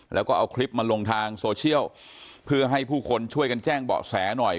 แล้วก็เอาคลิปมาลงทางโซเชียลเพื่อให้ผู้คนช่วยกันแจ้งเบาะแสหน่อย